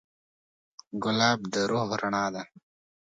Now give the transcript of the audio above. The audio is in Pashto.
ګلاب د روح رڼا ده.